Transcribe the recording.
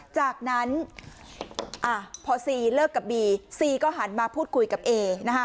จากนั้นพอซีเลิกกับบีซีก็หันมาพูดคุยกับเอ